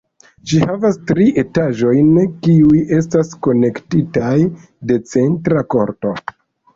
Ĝi havas tri etaĝojn, kiuj estas konektitaj de centra korto.